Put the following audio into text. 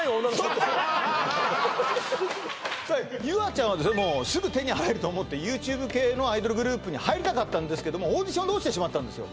優亜ちゃんはですねもうすぐ手に入ると思ってＹｏｕＴｕｂｅ系のアイドルグループに入りたかったんですけどもオーディションで落ちてしまったんですよ